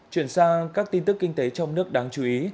chuyển sang các tin tức kinh tế trong nước đáng chú ý